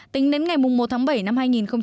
tính đến ngày một tháng bảy năm hai nghìn một mươi sáu